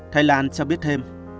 thanh lan cho biết thêm